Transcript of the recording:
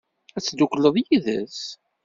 Ad teddukleḍ yid-s?